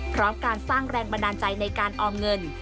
พร้อมการสร้างแรงบันดาลใจในการออมเงิน